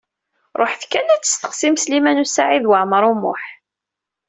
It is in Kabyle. Ṛuḥet kan ad testeqsim Sliman U Saɛid Waɛmaṛ U Muḥ.